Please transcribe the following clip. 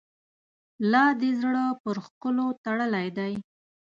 لا دي زړه پر ښکلو تړلی دی.